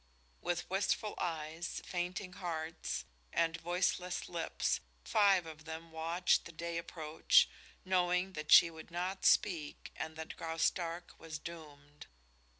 With wistful eyes, fainting hearts and voiceless lips five of them watched the day approach, knowing that she would not speak and that Graustark was doomed.